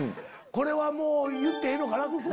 もう言ってええのかな。